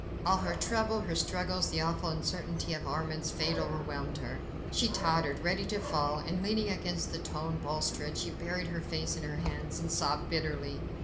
All her trouble, her struggles, the awful uncertainty of Armand's fate overwhelmed her. She tottered, ready to fall, and leaning against the stone balustrade, she buried her face in her hands and sobbed bitterly.